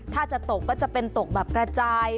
ถ้าจะตกก็จะเป็นตกแบบกระจาย